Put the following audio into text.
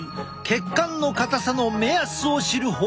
血管の硬さの目安を知る方法だ。